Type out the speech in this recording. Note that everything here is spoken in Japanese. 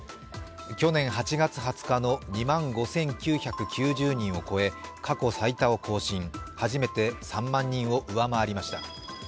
去年８月２０日の２万５９９０人を超え、過去最多を更新、初めて３万人を上回りました。